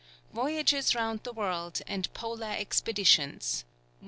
VOYAGES ROUND THE WORLD, AND POLAR EXPEDITIONS.